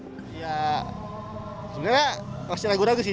ya sebenarnya pasti ragu ragu sih